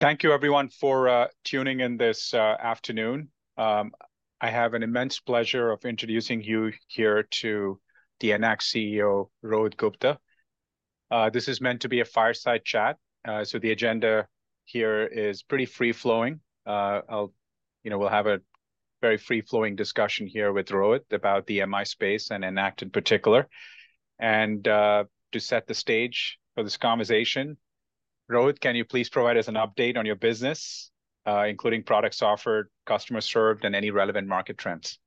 Thank you, everyone, for tuning in this afternoon. I have an immense pleasure of introducing you here to the Enact CEO, Rohit Gupta. This is meant to be a fireside chat. So the agenda here is pretty free-flowing. I'll, you know, we'll have a very free-flowing discussion here with Rohit about the MI space and Enact in particular. And, to set the stage for this conversation, Rohit, can you please provide us an update on your business, including products offered, customers served, and any relevant market trends?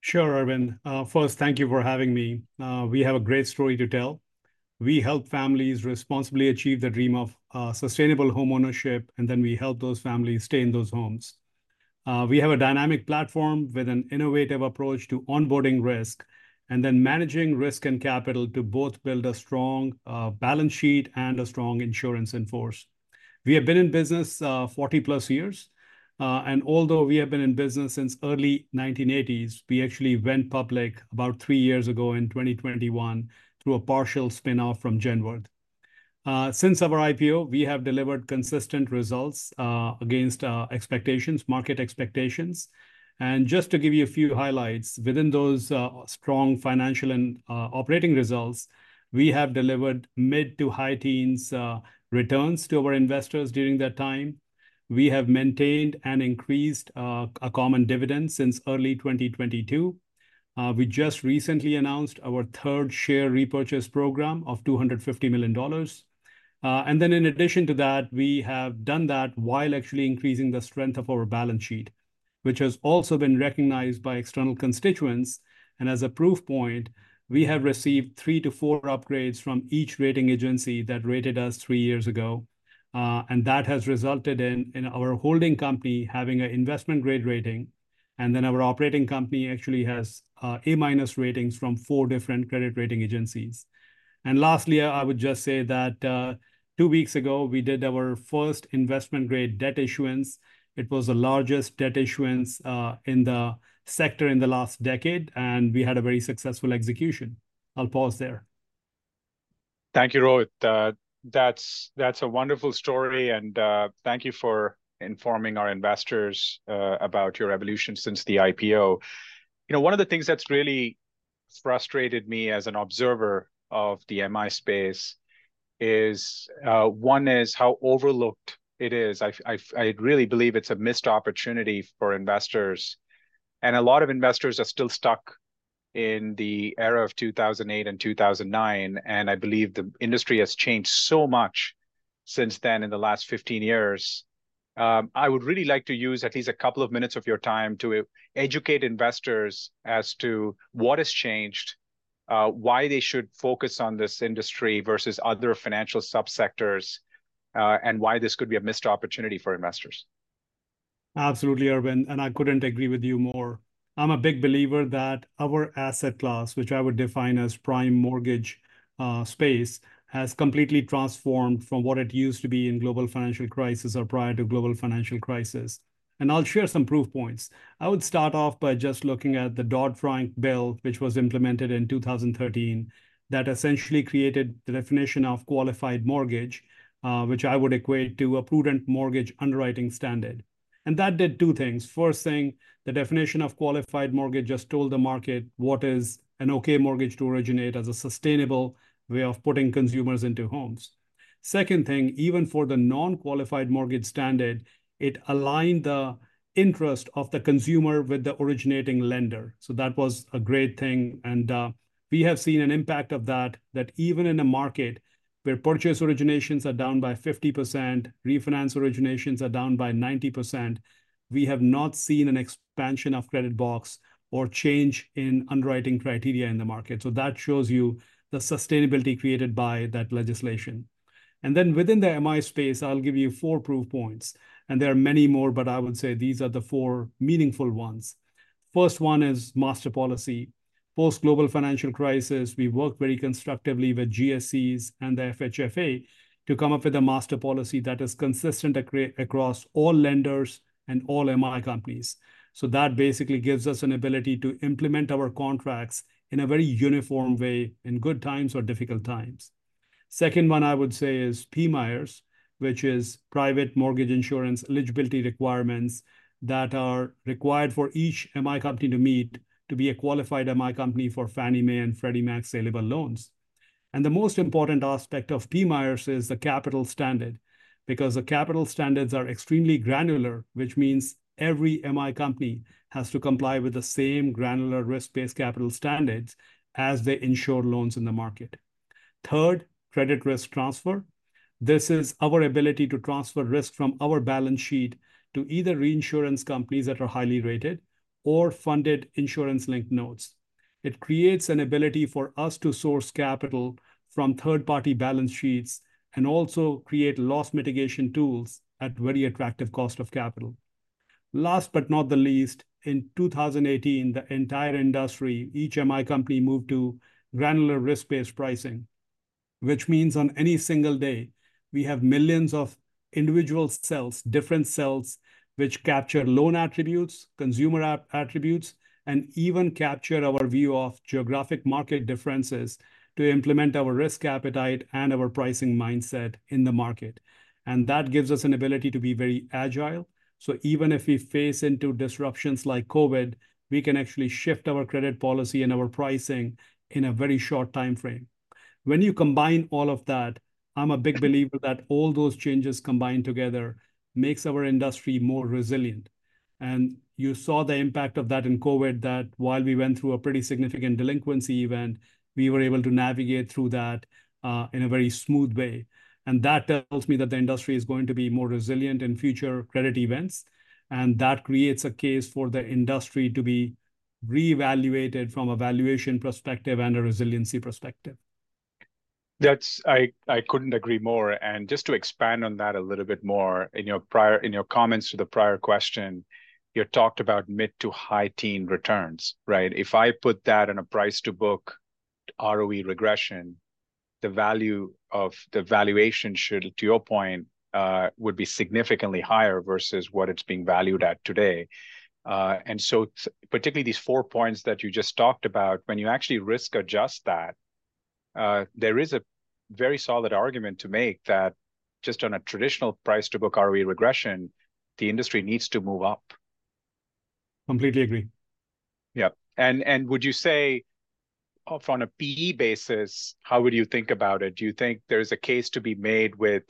Sure, Arvind. First, thank you for having me. We have a great story to tell. We help families responsibly achieve the dream of sustainable homeownership, and then we help those families stay in those homes. We have a dynamic platform with an innovative approach to onboarding risk and then managing risk and capital to both build a strong balance sheet and a strong insurance in force. We have been in business 40+ years. Although we have been in business since the early 1980s, we actually went public about three years ago in 2021 through a partial spinoff from Genworth. Since our IPO, we have delivered consistent results against expectations, market expectations. And just to give you a few highlights, within those strong financial and operating results, we have delivered mid- to high-teens returns to our investors during that time. We have maintained and increased a common dividend since early 2022. We just recently announced our third share repurchase program of $250 million. In addition to that, we have done that while actually increasing the strength of our balance sheet, which has also been recognized by external constituents. As a proof point, we have received three to four upgrades from each rating agency that rated us three years ago. That has resulted in our holding company having an investment grade rating. Our operating company actually has A minus ratings from four different credit rating agencies. Lastly, I would just say that two weeks ago, we did our first investment grade debt issuance. It was the largest debt issuance in the sector in the last decade, and we had a very successful execution. I'll pause there. Thank you, Rohit. That's, that's a wonderful story. Thank you for informing our investors about your evolution since the IPO. You know, one of the things that's really frustrated me as an observer of the MI space is, one is how overlooked it is. I really believe it's a missed opportunity for investors. A lot of investors are still stuck in the era of 2008 and 2009. I believe the industry has changed so much since then in the last 15 years. I would really like to use at least a couple of minutes of your time to educate investors as to what has changed, why they should focus on this industry versus other financial subsectors, and why this could be a missed opportunity for investors. Absolutely, Arvind. And I couldn't agree with you more. I'm a big believer that our asset class, which I would define as prime mortgage space, has completely transformed from what it used to be in Global Financial Crisis or prior to Global Financial Crisis. And I'll share some proof points. I would start off by just looking at the Dodd-Frank bill, which was implemented in 2013, that essentially created the definition of Qualified Mortgage, which I would equate to a prudent mortgage underwriting standard. And that did two things. First thing, the definition of Qualified Mortgage just told the market what is an okay mortgage to originate as a sustainable way of putting consumers into homes. Second thing, even for the non-Qualified Mortgage standard, it aligned the interest of the consumer with the originating lender. So that was a great thing. We have seen an impact of that, that even in a market where purchase originations are down by 50%, refinance originations are down by 90%, we have not seen an expansion of credit box or change in underwriting criteria in the market. That shows you the sustainability created by that legislation. Then within the MI space, I'll give you four proof points. There are many more, but I would say these are the four meaningful ones. First one is Master Policy. Post-Global Financial Crisis, we worked very constructively with GSEs and the FHFA to come up with a Master Policy that is consistent across all lenders and all MI companies. That basically gives us an ability to implement our contracts in a very uniform way in good times or difficult times. Second one, I would say, is PMIERs, which is Private Mortgage Insurer Eligibility Requirements that are required for each MI company to meet to be a qualified MI company for Fannie Mae and Freddie Mac saleable loans. The most important aspect of PMIERs is the capital standard because the capital standards are extremely granular, which means every MI company has to comply with the same granular risk-based capital standards as the insured loans in the market. Third, credit risk transfer. This is our ability to transfer risk from our balance sheet to either reinsurance companies that are highly rated or funded insurance-linked notes. It creates an ability for us to source capital from third-party balance sheets and also create loss mitigation tools at very attractive cost of capital. Last but not the least, in 2018, the entire industry, each MI company moved to granular risk-based pricing, which means on any single day, we have millions of individual cells, different cells, which capture loan attributes, consumer attributes, and even capture our view of geographic market differences to implement our risk appetite and our pricing mindset in the market. That gives us an ability to be very agile. Even if we face into disruptions like COVID, we can actually shift our credit policy and our pricing in a very short time frame. When you combine all of that, I'm a big believer that all those changes combined together makes our industry more resilient. You saw the impact of that in COVID, that while we went through a pretty significant delinquency event, we were able to navigate through that, in a very smooth way. That tells me that the industry is going to be more resilient in future credit events. That creates a case for the industry to be reevaluated from a valuation perspective and a resiliency perspective. I couldn't agree more. Just to expand on that a little bit more, in your comments to the prior question, you talked about mid to high teen returns, right? If I put that in a price to book ROE regression, the value of the valuation should, to your point, would be significantly higher versus what it's being valued at today. So particularly these four points that you just talked about, when you actually risk adjust that, there is a very solid argument to make that just on a traditional price-to-book ROE regression, the industry needs to move up. Completely agree. Yep. And, and would you say, from a PE basis, how would you think about it? Do you think there is a case to be made with,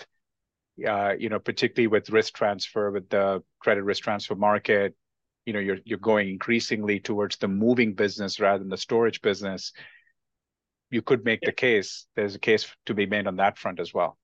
you know, particularly with risk transfer, with the credit risk transfer market, you know, you're, you're going increasingly towards the moving business rather than the storage business? You could make the case. There's a case to be made on that front as well.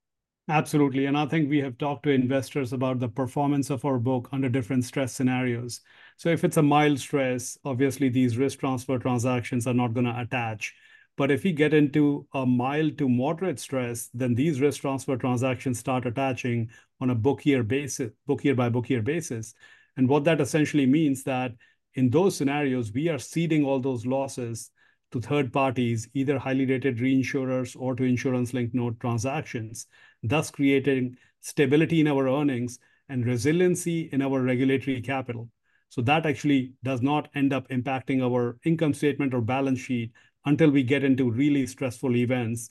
Absolutely. I think we have talked to investors about the performance of our book under different stress scenarios. If it's a mild stress, obviously these risk transfer transactions are not going to attach. But if we get into a mild to moderate stress, then these risk transfer transactions start attaching on a book year basis, book year by book year basis. What that essentially means is that in those scenarios, we are ceding all those losses to third parties, either highly rated reinsurers or to insurance-linked note transactions, thus creating stability in our earnings and resiliency in our regulatory capital. That actually does not end up impacting our income statement or balance sheet until we get into really stressful events.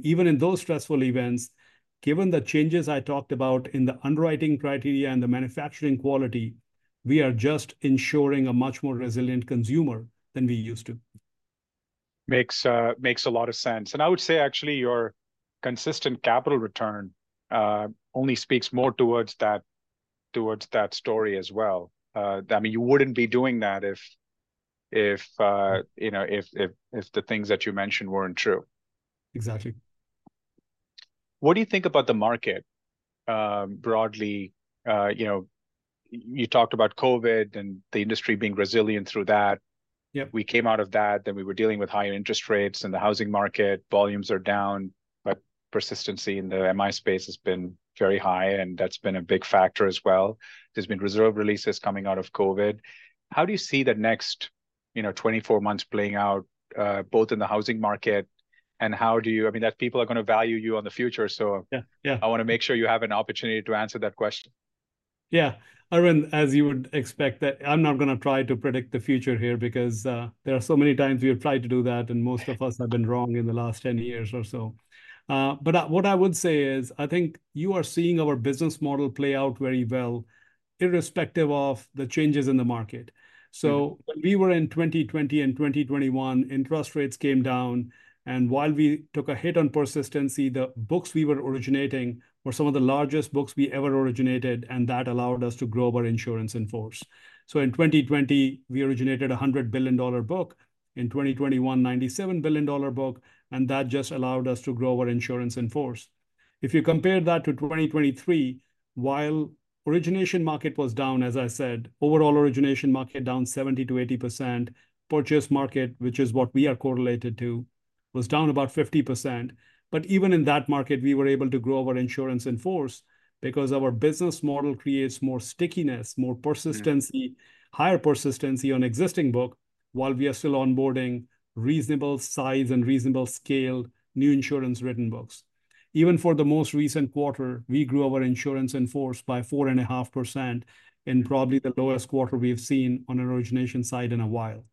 Even in those stressful events, given the changes I talked about in the underwriting criteria and the manufacturing quality, we are just ensuring a much more resilient consumer than we used to. Makes a lot of sense. And I would say actually your consistent capital return only speaks more towards that story as well. I mean, you wouldn't be doing that if, you know, if the things that you mentioned weren't true. Exactly. What do you think about the market, broadly? You know, you talked about COVID and the industry being resilient through that. Yep. We came out of that, then we were dealing with higher interest rates and the housing market volumes are down, but persistency in the MI space has been very high, and that's been a big factor as well. There's been reserve releases coming out of COVID. How do you see the next, you know, 24 months playing out, both in the housing market, and how do you, I mean, that people are going to value you in the future? So. Yeah, yeah. I want to make sure you have an opportunity to answer that question. Yeah. Arvind, as you would expect, that I'm not going to try to predict the future here because, there are so many times we have tried to do that, and most of us have been wrong in the last 10 years or so. But what I would say is, I think you are seeing our business model play out very well, irrespective of the changes in the market. So when we were in 2020 and 2021, interest rates came down, and while we took a hit on persistency, the books we were originating were some of the largest books we ever originated, and that allowed us to grow our insurance in force. So in 2020, we originated a $100 billion book. In 2021, $97 billion book, and that just allowed us to grow our insurance in force. If you compare that to 2023, while origination market was down, as I said, overall origination market down 70%-80%, purchase market, which is what we are correlated to, was down about 50%. But even in that market, we were able to grow our insurance in force because our business model creates more stickiness, more persistency, higher persistency on existing book while we are still onboarding reasonable size and reasonable scale new insurance written books. Even for the most recent quarter, we grew our insurance in force by 4.5% in probably the lowest quarter we've seen on an origination side in a while.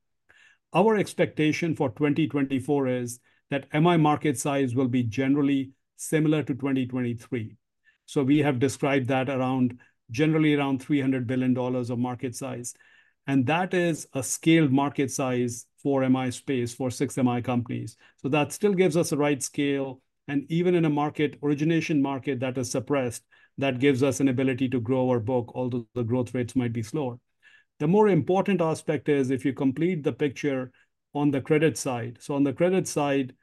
Our expectation for 2024 is that MI market size will be generally similar to 2023. So we have described that around generally around $300 billion of market size. That is a scaled market size for MI space for six MI companies. So that still gives us a right scale. And even in a mortgage origination market that is suppressed, that gives us an ability to grow our book although the growth rates might be slower. The more important aspect is if you complete the picture on the credit side. So on the credit side,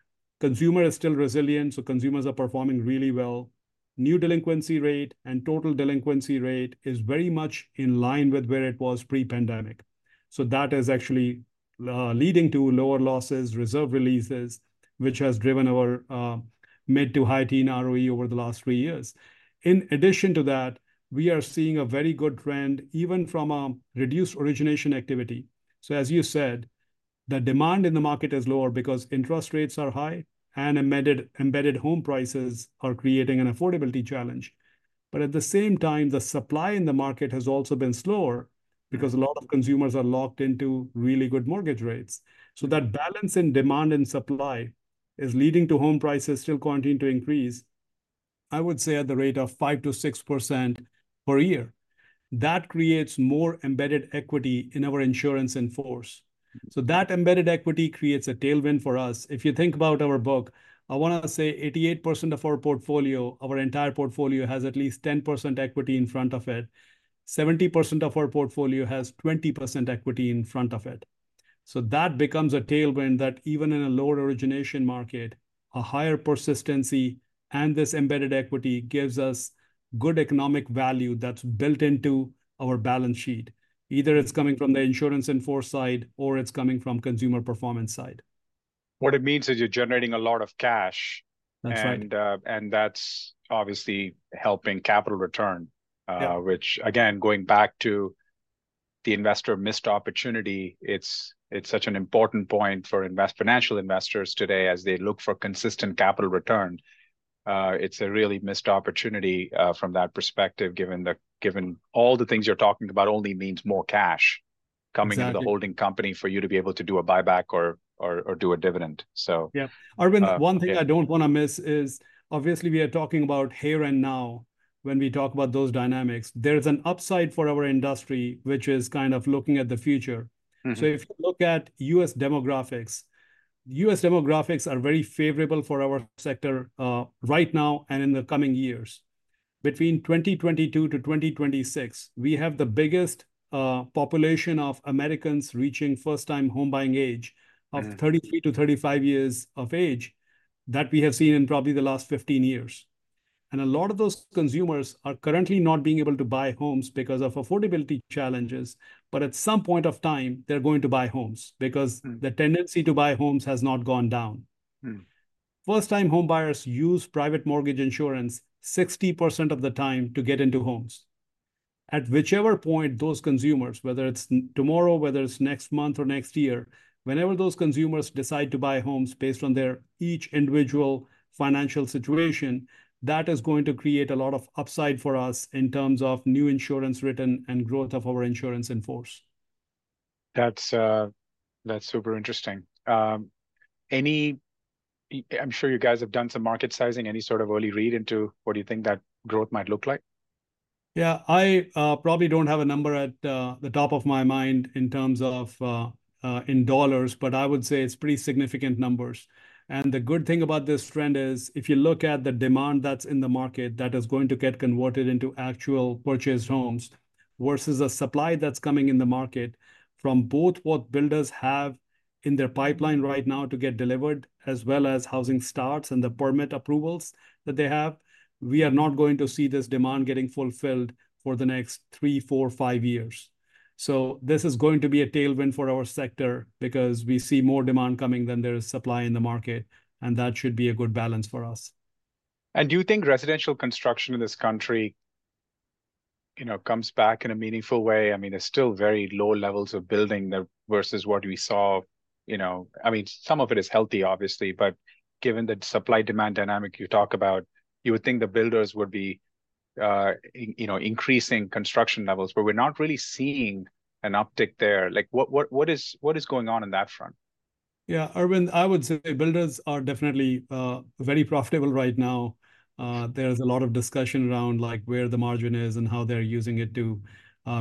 consumer is still resilient. So consumers are performing really well. New delinquency rate and total delinquency rate is very much in line with where it was pre-pandemic. So that is actually leading to lower losses, reserve releases, which has driven our mid- to high-teen ROE over the last three years. In addition to that, we are seeing a very good trend even from a reduced origination activity. So as you said, the demand in the market is lower because interest rates are high and embedded, embedded home prices are creating an affordability challenge. But at the same time, the supply in the market has also been slower because a lot of consumers are locked into really good mortgage rates. So that balance in demand and supply is leading to home prices still continuing to increase. I would say at the rate of 5%-6% per year. That creates more embedded equity in our insurance in force. So that embedded equity creates a tailwind for us. If you think about our book, I want to say 88% of our portfolio, our entire portfolio has at least 10% equity in front of it. 70% of our portfolio has 20% equity in front of it. So that becomes a tailwind that even in a lower origination market, a higher persistency and this embedded equity gives us good economic value that's built into our balance sheet. Either it's coming from the insurance in force side or it's coming from consumer performance side. What it means is you're generating a lot of cash. That's right. That's obviously helping capital return, which again, going back to the investor missed opportunity, it's such an important point for institutional investors today as they look for consistent capital return. It's a really missed opportunity, from that perspective, given all the things you're talking about only means more cash coming into the holding company for you to be able to do a buyback or do a dividend. So. Yeah. Arvind, one thing I don't want to miss is obviously we are talking about here and now when we talk about those dynamics, there's an upside for our industry, which is kind of looking at the future. So if you look at U.S. demographics, U.S. demographics are very favorable for our sector, right now and in the coming years. Between 2022 to 2026, we have the biggest population of Americans reaching first-time home buying age of 33-35 years of age that we have seen in probably the last 15 years. And a lot of those consumers are currently not being able to buy homes because of affordability challenges, but at some point of time, they're going to buy homes because the tendency to buy homes has not gone down. First-time home buyers use private mortgage insurance 60% of the time to get into homes. At whichever point those consumers, whether it's tomorrow, whether it's next month or next year, whenever those consumers decide to buy homes based on their each individual financial situation, that is going to create a lot of upside for us in terms of new insurance written and growth of our insurance in force. That's, that's super interesting. I'm sure you guys have done some market sizing, any sort of early read into what do you think that growth might look like? Yeah, I probably don't have a number at the top of my mind in terms of dollars, but I would say it's pretty significant numbers. The good thing about this trend is if you look at the demand that's in the market, that is going to get converted into actual purchased homes versus a supply that's coming in the market from both what builders have in their pipeline right now to get delivered as well as housing starts and the permit approvals that they have. We are not going to see this demand getting fulfilled for the next three, four, five years. So this is going to be a tailwind for our sector because we see more demand coming than there is supply in the market, and that should be a good balance for us. And do you think residential construction in this country, you know, comes back in a meaningful way? I mean, there's still very low levels of building versus what we saw, you know, I mean, some of it is healthy, obviously, but given the supply-demand dynamic you talk about, you would think the builders would be, you know, increasing construction levels, but we're not really seeing an uptick there. Like, what is going on on that front? Yeah, Arvind, I would say builders are definitely very profitable right now. There's a lot of discussion around like where the margin is and how they're using it to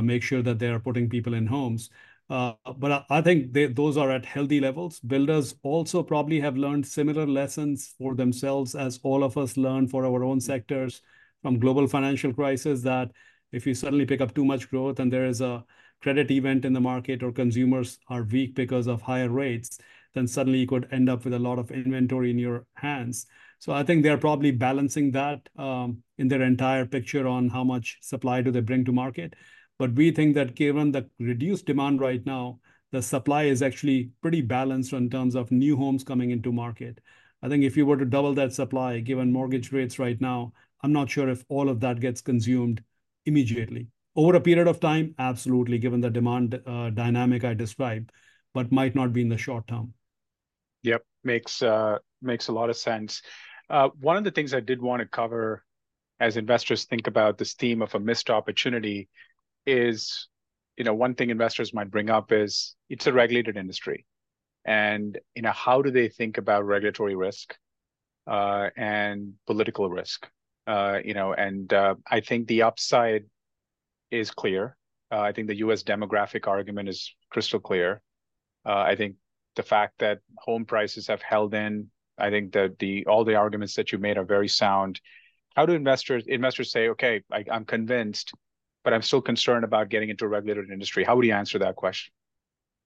make sure that they're putting people in homes. But I think those are at healthy levels. Builders also probably have learned similar lessons for themselves as all of us learn for our own sectors from Global Financial Crisis that if you suddenly pick up too much growth and there is a credit event in the market or consumers are weak because of higher rates, then suddenly you could end up with a lot of inventory in your hands. So I think they're probably balancing that in their entire picture on how much supply do they bring to market. But we think that given the reduced demand right now, the supply is actually pretty balanced in terms of new homes coming into market. I think if you were to double that supply, given mortgage rates right now, I'm not sure if all of that gets consumed immediately over a period of time, absolutely, given the demand, dynamic I described, but might not be in the short term. Yep. Makes a lot of sense. One of the things I did want to cover as investors think about this theme of a missed opportunity is, you know, one thing investors might bring up is it's a regulated industry. And, you know, how do they think about regulatory risk, and political risk? You know, and, I think the upside is clear. I think the U.S. demographic argument is crystal clear. I think the fact that home prices have held in, I think that the, all the arguments that you made are very sound. How do investors say, okay, I'm convinced, but I'm still concerned about getting into a regulated industry. How would you answer that question?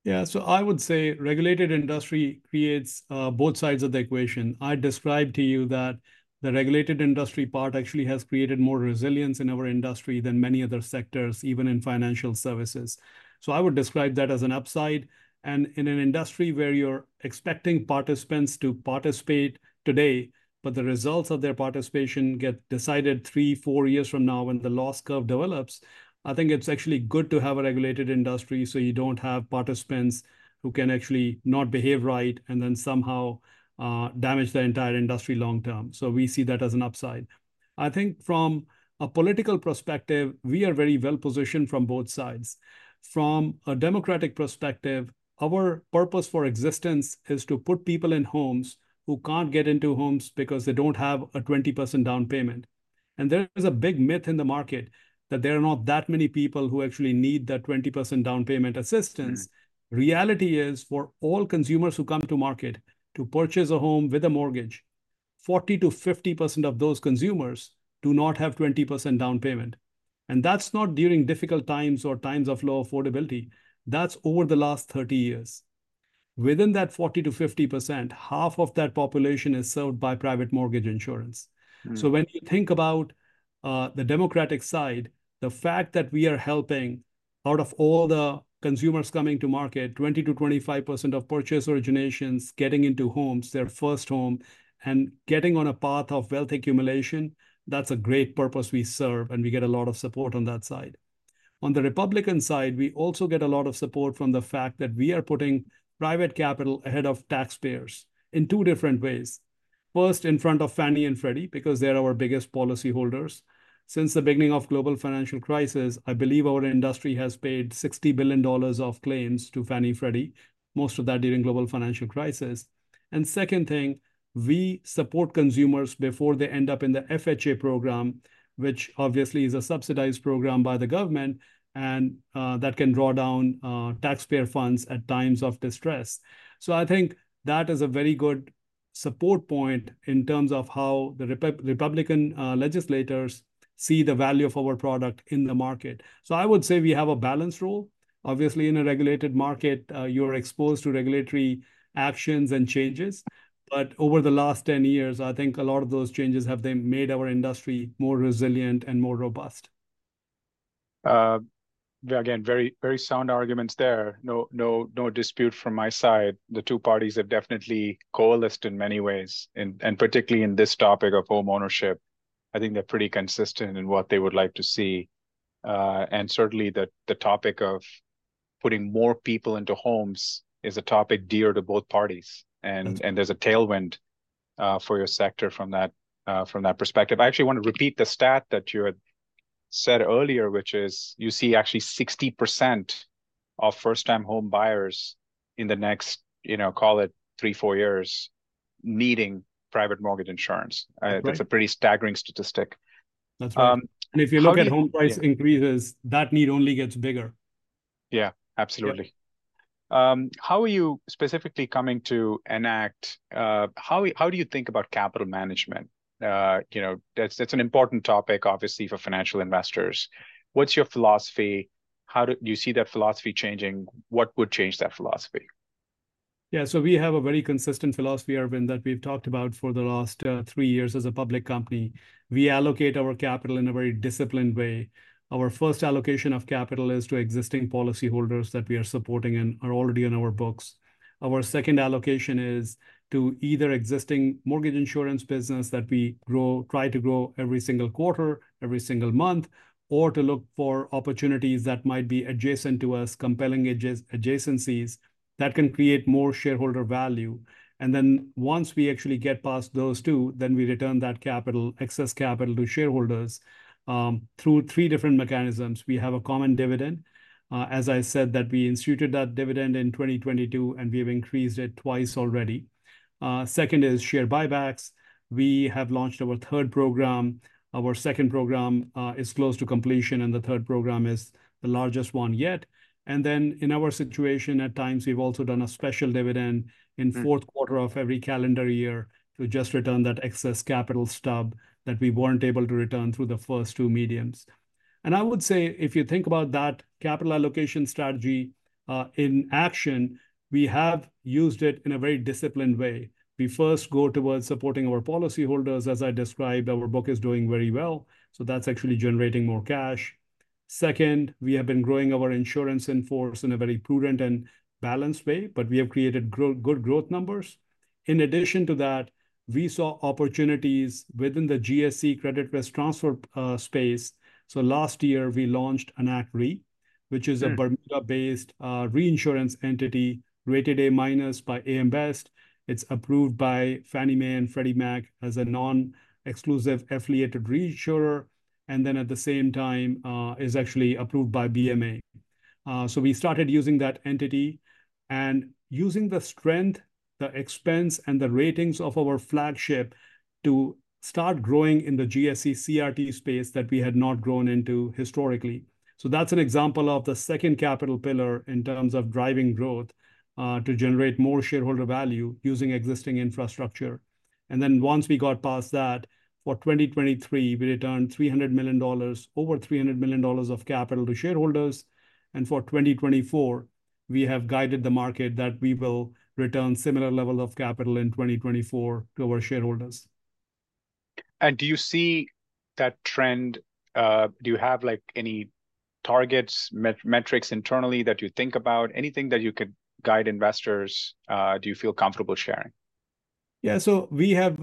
Yeah. So I would say regulated industry creates both sides of the equation. I described to you that the regulated industry part actually has created more resilience in our industry than many other sectors, even in financial services. So I would describe that as an upside. And in an industry where you're expecting participants to participate today, but the results of their participation get decided three, four years from now when the loss curve develops, I think it's actually good to have a regulated industry so you don't have participants who can actually not behave right and then somehow damage the entire industry long term. So we see that as an upside. I think from a political perspective, we are very well positioned from both sides. From a democratic perspective, our purpose for existence is to put people in homes who can't get into homes because they don't have a 20% down payment. There is a big myth in the market that there are not that many people who actually need that 20% down payment assistance. Reality is for all consumers who come to market to purchase a home with a mortgage, 40%-50% of those consumers do not have 20% down payment. That's not during difficult times or times of low affordability. That's over the last 30 years. Within that 40%-50%, half of that population is served by private mortgage insurance. So when you think about the democratic side, the fact that we are helping out of all the consumers coming to market, 20%-25% of purchase originations getting into homes, their first home, and getting on a path of wealth accumulation, that's a great purpose we serve and we get a lot of support on that side. On the Republican side, we also get a lot of support from the fact that we are putting private capital ahead of taxpayers in two different ways. First, in front of Fannie and Freddie, because they're our biggest policyholders. Since the beginning of global financial crisis, I believe our industry has paid $60 billion of claims to Fannie and Freddie, most of that during global financial crisis. Second thing, we support consumers before they end up in the FHA program, which obviously is a subsidized program by the government, and that can draw down taxpayer funds at times of distress. So I think that is a very good support point in terms of how the Republican legislators see the value of our product in the market. So I would say we have a balanced role. Obviously, in a regulated market, you're exposed to regulatory actions and changes. But over the last 10 years, I think a lot of those changes have made our industry more resilient and more robust. Again, very, very sound arguments there. No, no, no dispute from my side. The two parties have definitely coalesced in many ways and, and particularly in this topic of home ownership. I think they're pretty consistent in what they would like to see. Certainly the, the topic of putting more people into homes is a topic dear to both parties. And, and there's a tailwind, for your sector from that, from that perspective. I actually want to repeat the stat that you had said earlier, which is you see actually 60% of first-time home buyers in the next, you know, call it three, four years needing private mortgage insurance. That's a pretty staggering statistic. That's right. And if you look at home price increases, that need only gets bigger. Yeah, absolutely. How are you specifically coming to Enact? How, how do you think about capital management? You know, that's, that's an important topic, obviously for financial investors. What's your philosophy? How do you see that philosophy changing? What would change that philosophy? Yeah. So we have a very consistent philosophy, Arvind, that we've talked about for the last three years as a public company. We allocate our capital in a very disciplined way. Our first allocation of capital is to existing policyholders that we are supporting and are already in our books. Our second allocation is to either existing mortgage insurance business that we grow, try to grow every single quarter, every single month, or to look for opportunities that might be adjacent to us, compelling adjacencies that can create more shareholder value. And then once we actually get past those two, then we return that capital, excess capital to shareholders, through three different mechanisms. We have a common dividend, as I said, that we instituted that dividend in 2022 and we have increased it twice already. Second is share buybacks. We have launched our third program. Our second program is close to completion and the third program is the largest one yet. Then in our situation, at times, we've also done a special dividend in fourth quarter of every calendar year to just return that excess capital stub that we weren't able to return through the first two mediums. I would say if you think about that capital allocation strategy, in action, we have used it in a very disciplined way. We first go towards supporting our policyholders, as I described, our book is doing very well. So that's actually generating more cash. Second, we have been growing our insurance in force in a very prudent and balanced way, but we have created good growth numbers. In addition to that, we saw opportunities within the GSE credit risk transfer space. So last year we launched Enact Re, which is a Bermuda-based, reinsurance entity rated A minus by AM Best. It's approved by Fannie Mae and Freddie Mac as a non-exclusive affiliated reinsurer. And then at the same time, is actually approved by BMA. So we started using that entity and using the strength, the expense, and the ratings of our flagship to start growing in the GSE CRT space that we had not grown into historically. So that's an example of the second capital pillar in terms of driving growth, to generate more shareholder value using existing infrastructure. And then once we got past that, for 2023, we returned $300 million, over $300 million of capital to shareholders. And for 2024, we have guided the market that we will return similar level of capital in 2024 to our shareholders. Do you see that trend? Do you have like any targets, metrics internally that you think about? Anything that you could guide investors, do you feel comfortable sharing? Yeah. So we have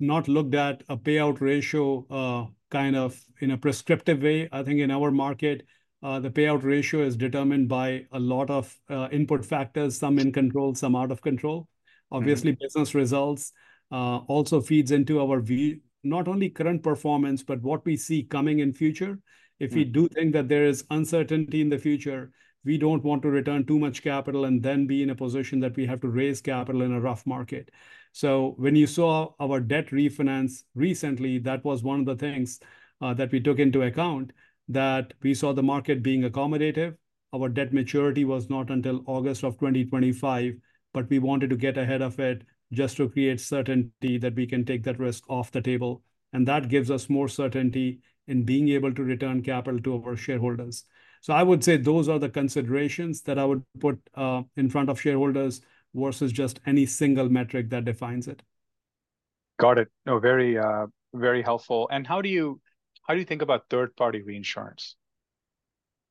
not looked at a payout ratio kind of in a prescriptive way. I think in our market, the payout ratio is determined by a lot of input factors, some in control, some out of control. Obviously, business results also feeds into our view, not only current performance, but what we see coming in future. If we do think that there is uncertainty in the future, we don't want to return too much capital and then be in a position that we have to raise capital in a rough market. So when you saw our debt refinance recently, that was one of the things that we took into account that we saw the market being accommodative. Our debt maturity was not until August of 2025, but we wanted to get ahead of it just to create certainty that we can take that risk off the table. That gives us more certainty in being able to return capital to our shareholders. I would say those are the considerations that I would put in front of shareholders versus just any single metric that defines it. Got it. No, very, very helpful. How do you, how do you think about third-party reinsurance?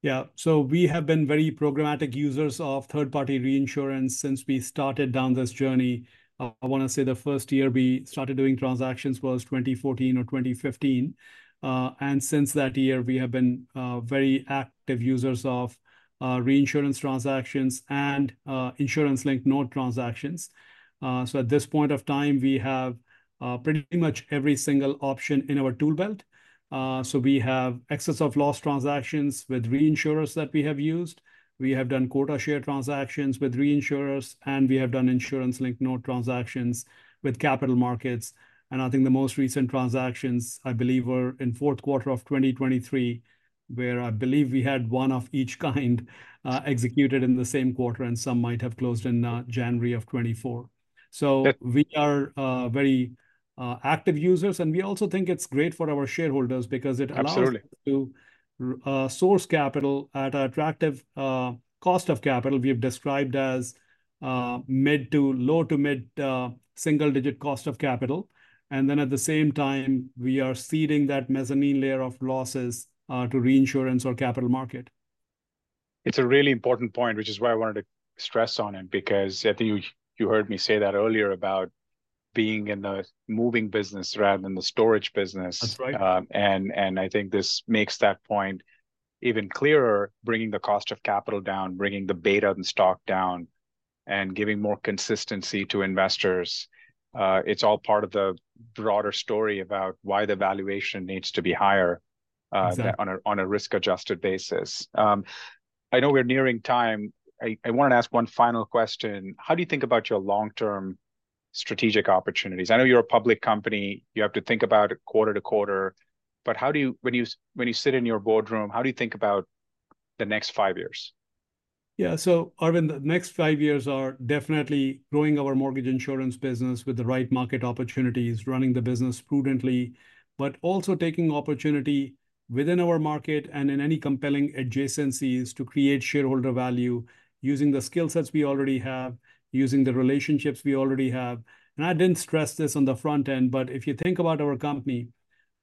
Yeah. So we have been very programmatic users of third-party reinsurance since we started down this journey. I want to say the first year we started doing transactions was 2014 or 2015. And since that year, we have been very active users of reinsurance transactions and insurance-linked note transactions. So at this point of time, we have pretty much every single option in our tool belt. So we have excess of loss transactions with reinsurers that we have used. We have done quota share transactions with reinsurers, and we have done insurance-linked note transactions with capital markets. And I think the most recent transactions, I believe, were in fourth quarter of 2023, where I believe we had one of each kind, executed in the same quarter, and some might have closed in January of 2024. So we are very active users, and we also think it's great for our shareholders because it allows us to source capital at an attractive cost of capital we've described as mid- to low- to mid-single-digit cost of capital. And then at the same time, we are seeding that mezzanine layer of losses to reinsurance or capital market. It's a really important point, which is why I wanted to stress on it, because I think you, you heard me say that earlier about being in the moving business rather than the storage business. And, and I think this makes that point even clearer, bringing the cost of capital down, bringing the beta and stock down, and giving more consistency to investors. It's all part of the broader story about why the valuation needs to be higher, on a, on a risk-adjusted basis. I know we're nearing time. I, I want to ask one final question. How do you think about your long-term strategic opportunities? I know you're a public company. You have to think about quarter to quarter, but how do you, when you, when you sit in your boardroom, how do you think about the next five years? Yeah. So, Arvind, the next five years are definitely growing our mortgage insurance business with the right market opportunities, running the business prudently, but also taking opportunity within our market and in any compelling adjacencies to create shareholder value using the skill sets we already have, using the relationships we already have. And I didn't stress this on the front end, but if you think about our company,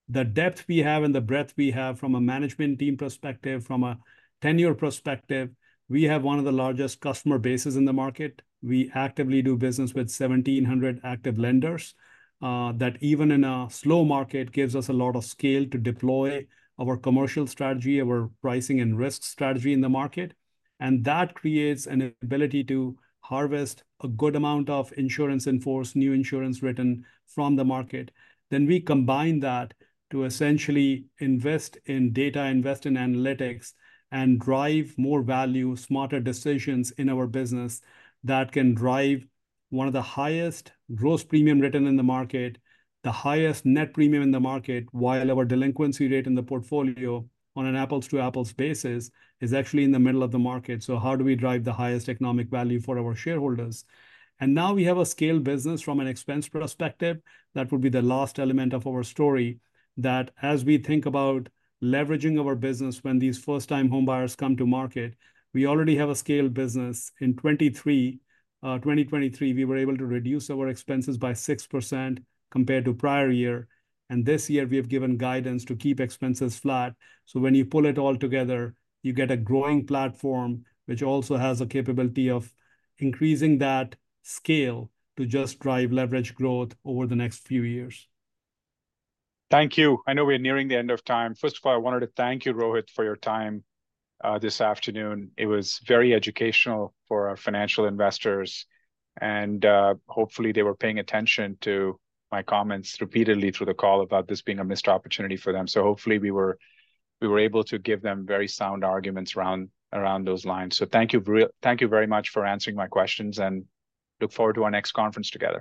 the depth we have and the breadth we have from a management team perspective, from a tenure perspective, we have one of the largest customer bases in the market. We actively do business with 1,700 active lenders, that even in a slow market gives us a lot of scale to deploy our commercial strategy, our pricing and risk strategy in the market. And that creates an ability to harvest a good amount of insurance in force, new insurance written from the market. Then we combine that to essentially invest in data, invest in analytics, and drive more value, smarter decisions in our business that can drive one of the highest gross premium written in the market, the highest net premium in the market, while our delinquency rate in the portfolio on an apples-to-apples basis is actually in the middle of the market. So how do we drive the highest economic value for our shareholders? And now we have a scale business from an expense perspective. That would be the last element of our story that as we think about leveraging our business when these first-time home buyers come to market, we already have a scale business in 2023. 2023, we were able to reduce our expenses by 6% compared to prior year. And this year we have given guidance to keep expenses flat. When you pull it all together, you get a growing platform, which also has a capability of increasing that scale to just drive leverage growth over the next few years. Thank you. I know we are nearing the end of time. First of all, I wanted to thank you, Rohit, for your time this afternoon. It was very educational for our financial investors. Hopefully they were paying attention to my comments repeatedly through the call about this being a missed opportunity for them. Hopefully we were, we were able to give them very sound arguments around, around those lines. Thank you really, thank you very much for answering my questions and look forward to our next conference together.